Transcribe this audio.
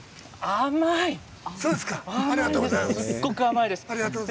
甘い、すごく甘いです。